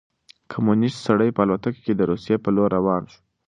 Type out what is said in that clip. کمونیست سړی په الوتکه کې د روسيې په لور روان شو.